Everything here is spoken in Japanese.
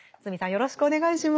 よろしくお願いします。